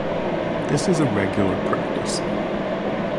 This is a regular practice.